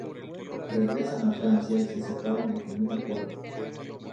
Regresan a Francia y se separan de común acuerdo.